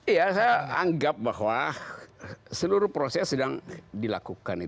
iya saya anggap bahwa seluruh proses sedang dilakukan